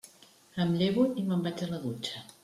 Em llevo i me'n vaig a la dutxa.